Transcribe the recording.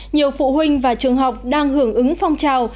nhiều phụ huynh và trường học đang hưởng ứng phong trào